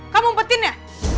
kamu umpetin ya